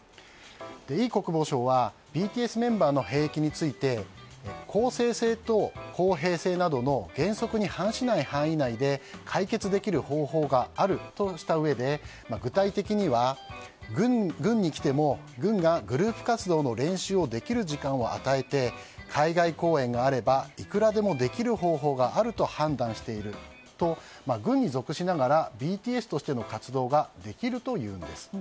イ国防相はＢＴＳメンバーの兵役について公正性と公平性などの原則に反しない範囲内で解決できる方法があるとしたうえで具体的には軍に来ても軍がグループ活動の練習をできる時間を与えて海外公演があればいくらでもできる方法があると判断していると軍に属しながらＢＴＳとしての活動ができるというんです。